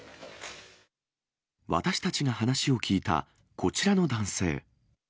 私たちが話を聞いたこちらの男性。